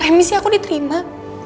remisi aku diterima